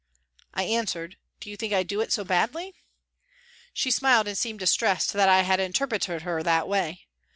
" I answered :" Do you think I do it so badly ?" She smiled and seemed distressed that I had interpreted her that way.